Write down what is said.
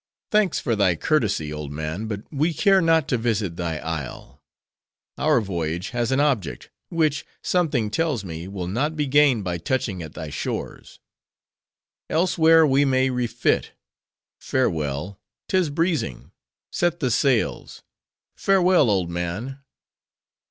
Thanks for thy courtesy, old man, but we care not to visit thy isle. Our voyage has an object, which, something tells me, will not be gained by touching at thy shores. Elsewhere we may refit. Farewell! 'Tis breezing; set the sails! Farewell, old man."